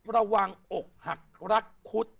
ระวังอกหักรักคุด